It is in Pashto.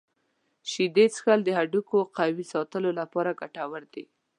شیدې څښل د هډوکو قوي ساتلو لپاره ګټور دي.